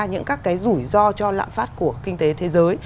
những các cái rủi ro cho lạm phát của kinh tế thế giới